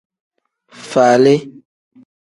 Faali.